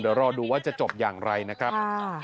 เดี๋ยวรอดูว่าจะจบอย่างไรนะครับ